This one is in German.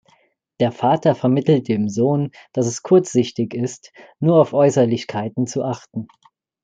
Der Vater vermittelt dem Sohn, dass es kurzsichtig ist, nur auf Äußerlichkeiten zu achten.